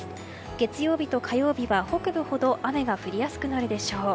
月曜日と火曜日は北部ほど雨が降りやすくなるでしょう。